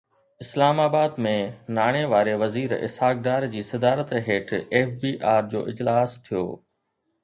اسلام آباد ۾ ناڻي واري وزير اسحاق ڊار جي صدارت هيٺ ايف بي آر جو اجلاس ٿيو